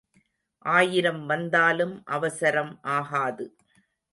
ஆயிரம் வந்தாலும் அவசரம் ஆகாது.